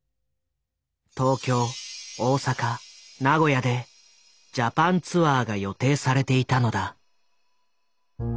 東京・大阪・名古屋でジャパンツアーが予定されていたのだ。